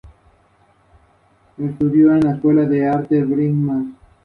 Está casado, y tiene dos hijos.